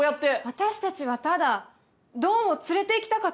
私たちはただドンを連れていきたかっただけよ。